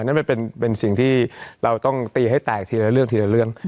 นั่นมันเป็นสิ่งที่เราต้องตีให้แตกทีละเรื่องทีละเรื่อง